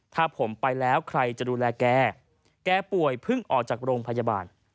ถ้าผมไปแล้วใครจะดูแลแกแกป่วยเพิ่งออกจากโรงพยาบาล